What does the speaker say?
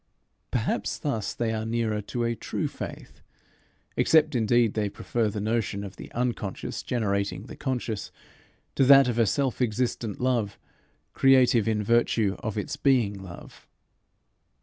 Perhaps thus they are nearer to a true faith except indeed they prefer the notion of the Unconscious generating the Conscious, to that of a self existent Love, creative in virtue of its being love.